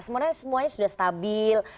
sebenarnya semuanya sudah stabil